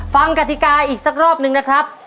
กติกาอีกสักรอบนึงนะครับ